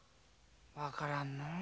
分からんのう。